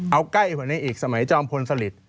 เอาใกล้กว่านี้อีกสมัยจอมพลสลิต